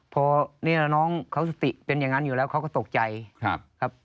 พอนี่แล้วน้องเขาสติเป็นอย่างนั้นอยู่แล้วเขาก็ตกใจครับ